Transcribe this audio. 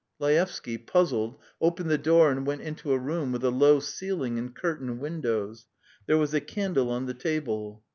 Laevsky, puzzled, opened the door and went into a room with a low ceiling and curtained windows. There was a candle on the table.